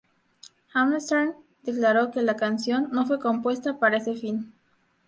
Hammerstein declaró que la canción "no fue compuesta para ese fin".